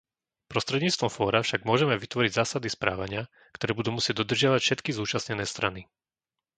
Prostredníctvom fóra však môžeme vytvoriť zásady správania, ktoré budú musieť dodržiavať všetky zúčastnené strany.